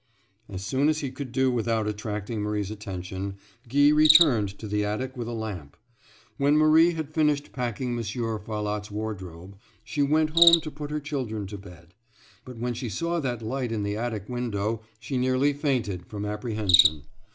As soon as he could do so without attracting Marie's attention Guy returned to the attic with a lamp. When Marie had finished packing Monsieur Farlotte's wardrobe, she went home to put her children to bed; but when she saw that light in the attic window she nearly fainted from apprehension.